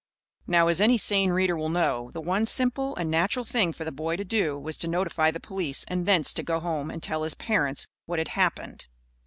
Now, as any sane reader will know, the one simple and natural thing for the boy to do was to notify the police and thence to go home and tell his parents what had happened.